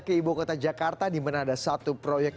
ke ibukota jakarta dimana ada satu proyek